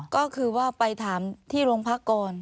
ก็คือว่าไปถามที่โรงพักก่อน